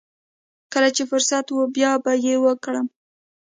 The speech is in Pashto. چې کله فرصت و بيا به يې وکړم.